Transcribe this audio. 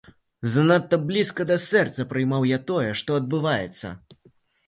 Занадта блізка да сэрца прымаў тое, што адбываецца.